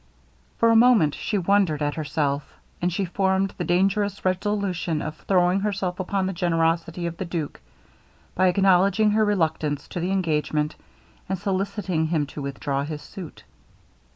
For a moment she wondered at herself, and she formed the dangerous resolution of throwing herself upon the generosity of the duke, by acknowledging her reluctance to the engagement, and soliciting him to withdraw his suit.